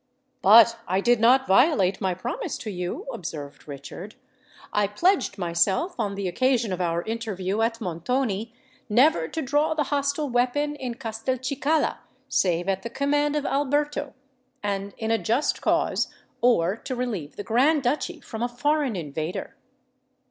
"But I did not violate my promise to you," observed Richard. "I pledged myself, on the occasion of our interview at Montoni, never to draw the hostile weapon in Castelcicala, save at the command of Alberto and in a just cause, or to relieve the Grand Duchy from a foreign invader."